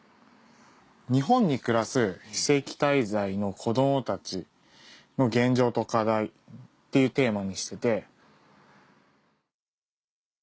「日本に暮らす非正規滞在の子供たちの現状と課題」っていうテーマにしてて。